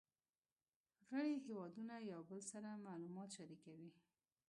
غړي هیوادونه یو بل سره معلومات شریکوي